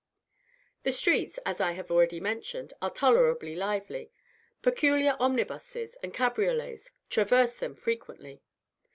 The streets, as I have already mentioned, are tolerably lively: peculiar omnibuses and cabriolets traverse them frequently.